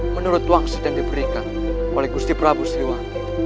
menurut wangsa yang diberikan oleh gusti prabu sriwani